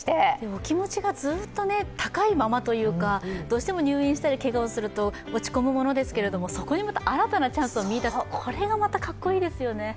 お気持ちがずっと高いままというかどうしても入院したりけがをすると落ち込むものですけどそこにまた新たなチャンスを見出す、これが格好いいですよね。